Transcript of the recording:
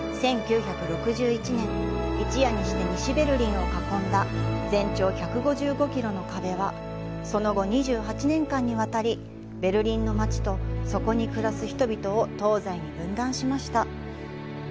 １９６１年、一夜にして西ベルリンを囲んだ全長１５５キロの壁はその後２８年間にわたりベルリンの街とそこに暮らす人々を東西に分断しました。